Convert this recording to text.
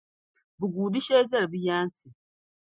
bɛ guui di shɛli zali bɛ yaansi.